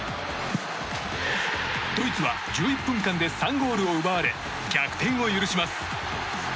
ドイツは１１分間で３ゴールを奪われ逆転を許します。